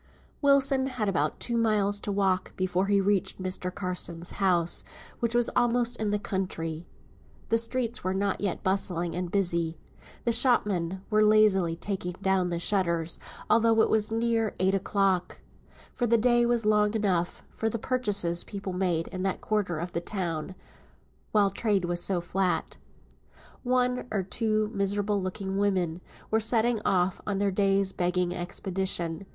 Wilson had about two miles to walk before he reached Mr. Carson's house, which was almost in the country. The streets were not yet bustling and busy. The shopmen were lazily taking down the shutters, although it was near eight o'clock; for the day was long enough for the purchases people made in that quarter of the town, while trade was so flat. One or two miserable looking women were setting off on their day's begging expedition.